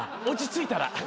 落ち着いたら。